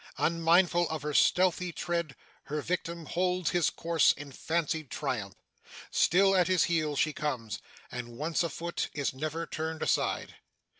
Unmindful of her stealthy tread, her victim holds his course in fancied triumph. Still at his heels she comes, and once afoot, is never turned aside!